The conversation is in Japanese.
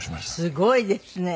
すごいですね。